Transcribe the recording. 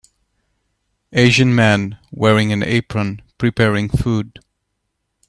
Asian man, wearing an apron, preparing food.